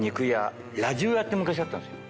ラジオ屋って昔あったんですよ。